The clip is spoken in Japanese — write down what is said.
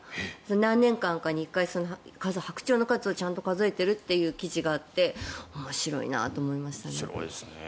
何年間かに１回白鳥の数を、ちゃんと数えているという記事があって面白いなと思いましたね。